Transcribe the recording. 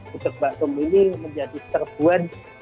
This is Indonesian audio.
budeg batum ini menjadi terbuat